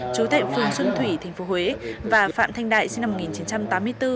chú thệ phường xuân thủy tp huế và phạm thanh đại sinh năm một nghìn chín trăm tám mươi bốn